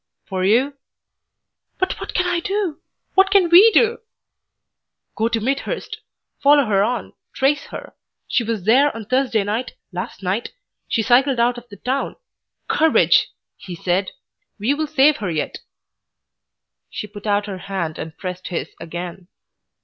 "For you " "But what can I do? what can WE do?" "Go to Midhurst. Follow her on. Trace her. She was there on Thursday night, last night. She cycled out of the town. Courage!" he said. "We will save her yet!" She put out her hand and pressed his again.